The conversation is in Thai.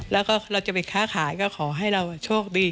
แล้วก็เราจะไปค้าขายก็ขอให้เราโชคดี